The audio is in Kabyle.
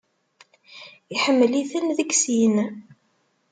Iḥemmel-iten deg sin.